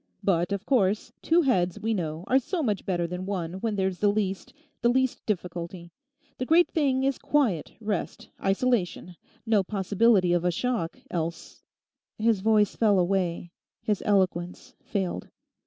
But, of course—two heads, we know, are so much better than one when there's the least—the least difficulty. The great thing is quiet, rest, isolation, no possibility of a shock, else—' His voice fell away, his eloquence failed.